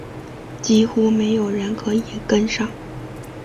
几乎没有人可以跟上